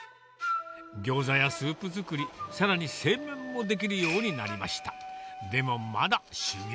ギョーザやスープ作り、さらに製麺もできるようになりました。